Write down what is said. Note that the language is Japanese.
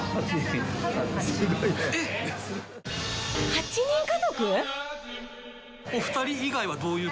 ８人家族？